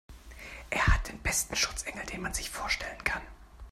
Er hat den besten Schutzengel, den man sich vorstellen kann.